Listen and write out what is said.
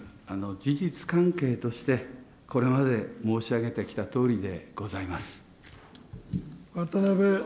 事実関係として、これまで申し上げてきたとおりでございます。